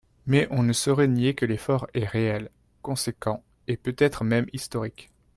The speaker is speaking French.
Mais on ne saurait nier que l’effort est réel, conséquent et peut-être même historique.